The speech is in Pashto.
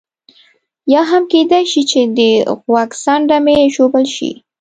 یا هم کېدای شي چې د غوږ څنډه مې ژوبل شي.